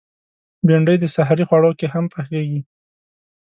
بېنډۍ د سحري خواړه کې هم پخېږي